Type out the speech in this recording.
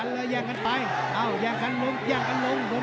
อ้าวย่างกันลงย่างกันลงลงสองลงแข็ง